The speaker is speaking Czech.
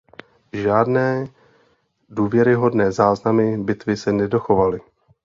Žádné důvěryhodné záznamy bitvy se nedochovaly.